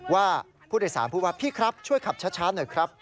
ว่าผู้โดยสารพูดว่าพี่ครับช่วยขับช้าหน่อยครับ